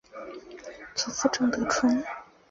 祖父郑得春。